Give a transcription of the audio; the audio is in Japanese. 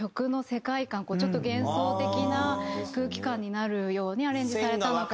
ちょっと幻想的な空気感になるようにアレンジされたのかな。